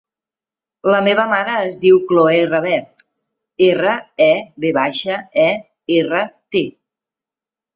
La meva mare es diu Cloè Revert: erra, e, ve baixa, e, erra, te.